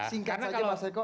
singkat saja mas eko